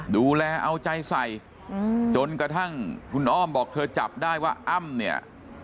ดูแลเอาใจใส่จนกระทั่งคุณอ้อมบอกเธอจับได้ว่าอ้ำเนี่ย